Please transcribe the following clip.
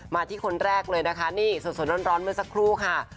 ที่คนแรกเลยนะคะนี่สดร้อนเมื่อสักครู่ค่ะ